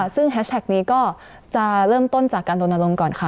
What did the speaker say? ซึ่งแฮชแท็กนี้ก็จะเริ่มต้นจากการโดนลงก่อนค่ะ